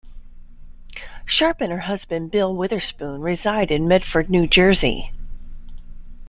Sharp and her husband Bill Witherspoon reside in Medford, New Jersey.